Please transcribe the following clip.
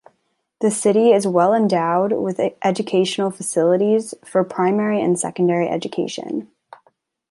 The city is well endowed with educational facilities, for primary and secondary education.